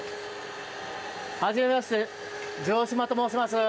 初めまして、城島と申します。